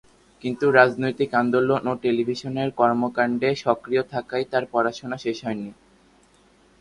কিন্তু রাজনৈতিক আন্দোলন ও টেলিভিশনের কর্মকাণ্ডে সক্রিয় থাকায় তার পড়াশোনা শেষ হয়নি।